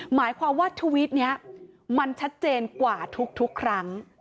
หมายความว่าทวิตนี้มันชัดเจนกว่าทุกครั้ง